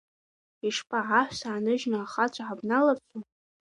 Ишԥа, аҳәса ааныжьны ахацәа ҳабналарцу?!